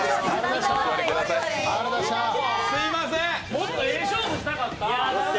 もっとええ勝負したかった。